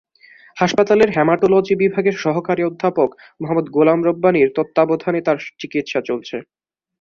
হাসপাতালের হেমাটোলজি বিভাগের সহকারী অধ্যাপক মোহাম্মদ গোলাম রব্বানীর তত্ত্বাবধানে তাঁর চিকিৎসা চলছে।